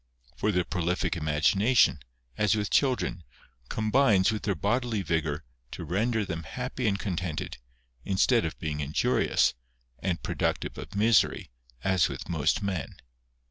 Eor their prolific imagination, as with children, combines, with their bodily vigour, to render them happy and con tented, instead of being injurious, and productive of misery, as with most men.